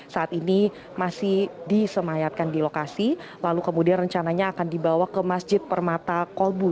saat ini masih disemayatkan di lokasi lalu kemudian rencananya akan dibawa ke masjid permata kolbu